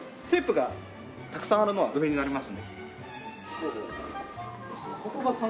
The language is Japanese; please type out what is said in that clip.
テープがたくさんあるのは上になりますので。